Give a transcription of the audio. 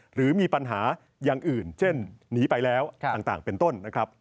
หรือมีปัญหาอย่างอื่นเช่นหนีไปแล้วต่างเป็นต้นนะครับ